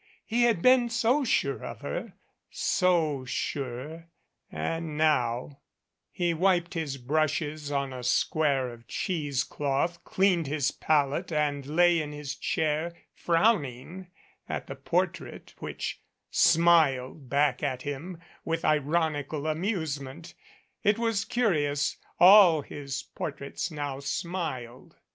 He had been so sure of her so sure and now He wiped his brushes on a square of cheesecloth, cleaned his palette and lay in his chair frowning at the portrait, which smiled back at him with ironical amuse ment. It was curious. All his portraits now smiled.